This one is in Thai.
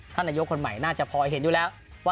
ท่านนยกคนใหม่น่าจะพอเห็นอยู่แล้ว